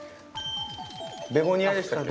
ベゴニアでしたっけ？